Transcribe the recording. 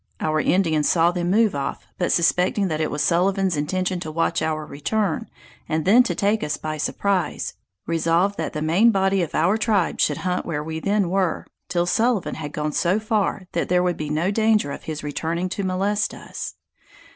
Our Indians saw them move off, but suspecting that it was Sullivan's intention to watch our return, and then to take us by surprize, resolved that the main body of our tribe should hunt where we then were, till Sullivan had gone so far that there would be no danger of his returning to molest us.